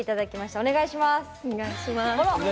お願いします。